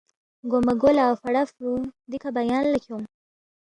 گوماگو لہ فڑا فرُو دِکھہ بیان لہ کھیونگ